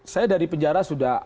saya dari penjara sudah